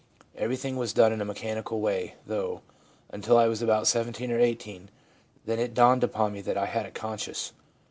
Everything was done in a mechanical way, though, until I was about seventeen or eighteen, then it dawned upon me that I had a conscience.